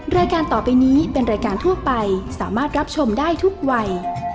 รายการต่อไปนี้เป็นรายการทั่วไปสามารถรับชมได้ทุกวัย